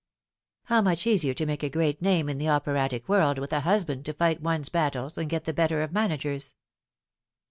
How much easier to make a great name in the operatic world with a husband to fight one's battles and get the better of managers